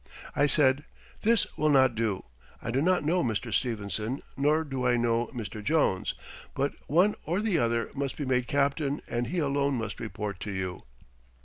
I said: "This will not do. I do not know Mr. Stevenson, nor do I know Mr. Jones, but one or the other must be made captain and he alone must report to you."